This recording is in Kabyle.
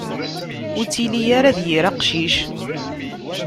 Ur ttili ara d yir aqcic.